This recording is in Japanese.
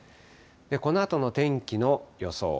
このあとの天気の予想。